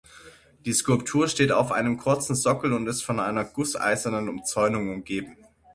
Die Skulptur steht auf einem kurzen Sockel und ist von einer gusseisernen Umzäunung umgeben.